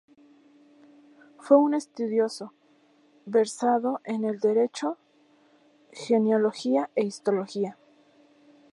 Fue un estudioso, versado en derecho, genealogía e historia.